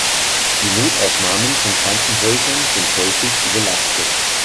Die Notaufnahmen von Krankenhäusern sind häufig überlastet.